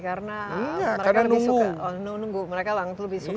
karena mereka lebih suka